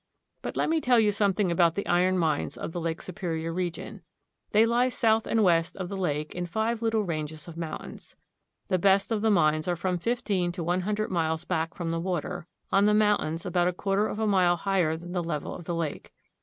But let me tell you something about the iron mines of the Lake Superior region. They lie south and west of the lake, in five little ranges of mountains. The best of the mines are from fifteen to one hundred miles back from the water, on the mountains, about a quarter of a mile higher than the level of the lake.